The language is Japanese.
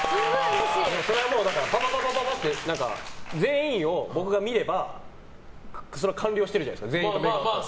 それはパパパッと全員を僕が見ればそれは完了してるじゃないですか全員と目が合ったのが。